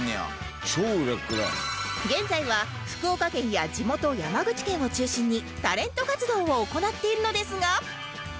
現在は福岡県や地元山口県を中心にタレント活動を行っているのですが